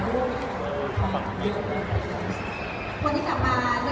อยากกินส้มกลับนะคะ